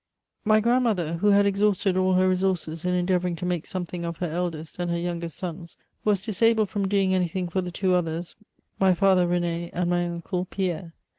My grandmother, who had exhausted all her resources in endeavouring to make something of her eldest and her youngest sons, was disabled from doing anything for the two others, my father, Ren^, and my uncle, Pierre.